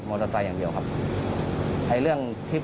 ก็ได้พลังเท่าไหร่ครับ